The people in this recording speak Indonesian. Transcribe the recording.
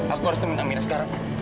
aku harus temenin amira sekarang